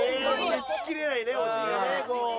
いききれないねお尻がね。